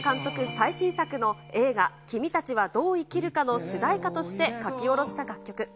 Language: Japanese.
最新作の映画、君たちはどう生きるかの主題歌として書き下ろした楽曲。